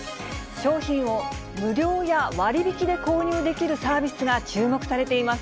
商品を無料や割引で購入できるサービスが注目されています。